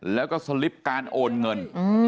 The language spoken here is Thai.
แล้วก็สลิปการโอนเงิน